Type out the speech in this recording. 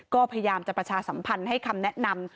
ก็พยายามจะประชาสัมพันธ์ให้คำแนะนำ